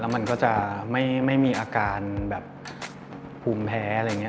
มันก็จะไม่มีอาการแบบภูมิแพ้อะไรอย่างนี้